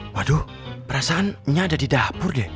waduh perasaannya ada di dapur deh